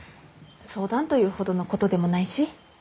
相談というほどのことでもないし。